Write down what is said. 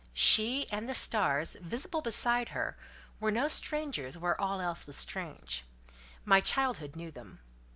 She and the stars, visible beside her, were no strangers where all else was strange: my childhood knew them.